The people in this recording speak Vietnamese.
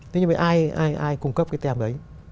thế nhưng mà ai cung cấp cái tem đấy